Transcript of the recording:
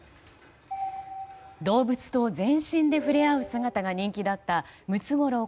動物と全身で触れ合う姿が人気だったムツゴロウ